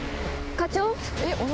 課長？